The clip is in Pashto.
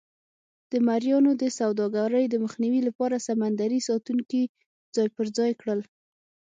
د مریانو د سوداګرۍ د مخنیوي لپاره سمندري ساتونکي ځای پر ځای کړل.